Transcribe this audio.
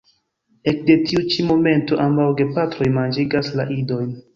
Ekde tiu ĉi momento ambaŭ gepatroj manĝigas la idojn.